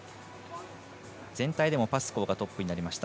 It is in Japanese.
全体でもパスコーがトップになりました。